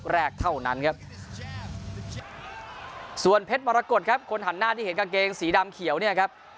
แรกเท่านั้นครับส่วนเพชรมรกฏครับคนหันหน้าที่เห็นกางเกงสีดำเขียวเนี่ยครับ